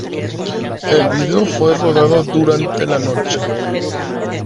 El vídeo fue rodado durante la noche.